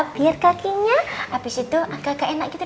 biar kakinya habis itu agak agak enak gitu